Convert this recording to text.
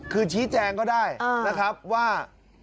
คือชี้แจงก็ได้นะครับว่า